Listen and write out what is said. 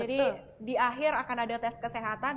jadi di akhir akan ada tes kesehatan